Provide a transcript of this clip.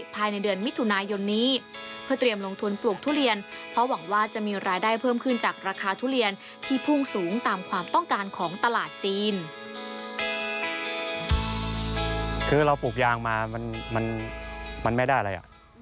คือเราปลูกยางมามันไม่ได้อะไรอ่ะ